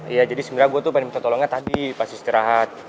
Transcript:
iya jadi sebenarnya gue tuh pengen minta tolongnya tadi pas istirahat